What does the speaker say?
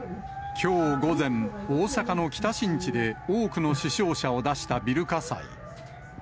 きょう午前、大阪の北新地で多くの死傷者を出したビル火災。